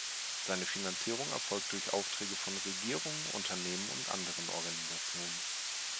Seine Finanzierung erfolgt durch Aufträge von Regierungen, Unternehmen und anderen Organisationen.